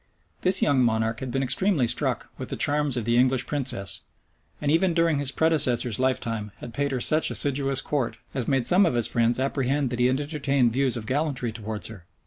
This young monarch had been extremely struck with the charms of the English princess; and even during his predecessor's lifetime, had paid her such assiduous court, as made some of his friends apprehend that he had entertained views of gallantry towards her.